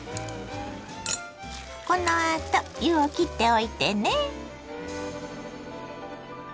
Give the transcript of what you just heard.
このあと湯をきっておいてね。